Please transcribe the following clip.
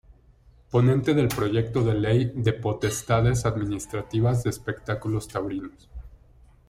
Ponente del Proyecto de Ley de Potestades Administrativas de Espectáculos Taurinos.